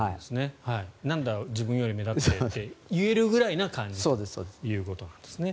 なんだ自分より目立ってって言えるぐらいの感じということですね。